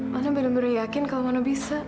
mano belum beri yakin kalau mano bisa